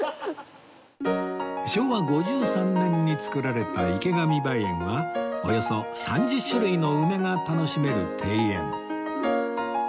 昭和５３年に造られた池上梅園はおよそ３０種類の梅が楽しめる庭園